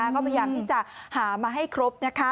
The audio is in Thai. ก็พยายามที่จะหามาให้ครบนะคะ